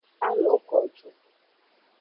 A lo ko ju.